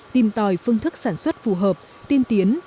tìm tòi phương thức sản xuất phù hợp tiên tiến